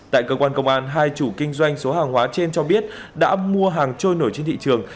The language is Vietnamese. tại cơ quan công an hai chủ kinh doanh số hàng hóa trên cho biết đã mua hàng trôi nổi trên thị trường